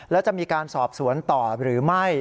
และจะมีการสอบสวนต่อหรือไม่